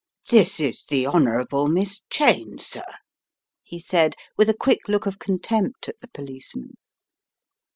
"This is the Honourable Miss Cheyne, sir," he said with a quick look of contempt at the policeman.